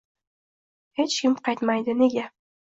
Hech kim qaytmaydi. Nega?